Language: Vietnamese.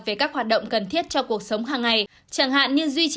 về các hoạt động cần thiết cho cuộc sống hàng ngày